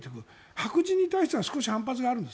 白人に対しては少し反発があるんです。